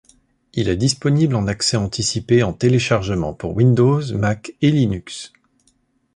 Il est disponible en accès anticipé en téléchargement pour Windows, Mac et Linux.